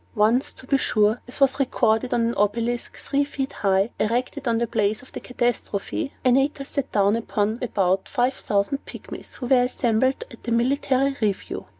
Once, to be sure (as was recorded on an obelisk, three feet high, erected on the place of the catastrophe), Antaeus sat down upon about five thousand Pygmies, who were assembled at a military review.